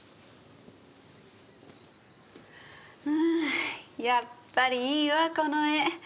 うーんやっぱりいいわこの絵。